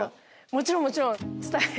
もちろんもちろん！